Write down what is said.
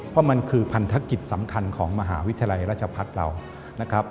เพราะมันคือพันธกิจสำคัญของมหาวิทยาลัยราชพัฒน์เรานะครับ